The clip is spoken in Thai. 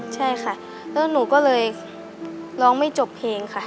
ใช่ค่ะแล้วหนูก็เลยร้องไม่จบเพลงค่ะ